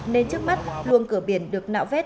nên trước mắt luồng cửa biển được nạo vét